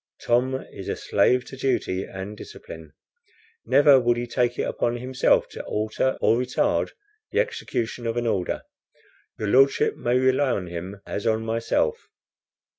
Tom is a slave to duty and discipline. Never would he take it upon himself to alter or retard the execution of an order. Your Lordship may rely on him as on myself."